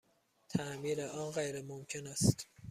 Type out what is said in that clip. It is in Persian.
تعمیر آن غیرممکن است.